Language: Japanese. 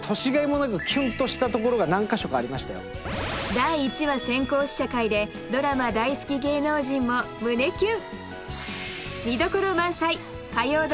第１話先行試写会でドラマ大好き芸能人も胸キュン！